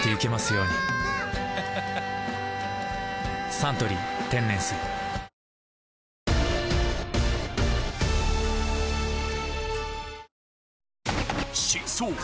「サントリー天然水」真相！